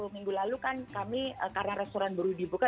minggu lalu kan kami karena restoran baru dibuka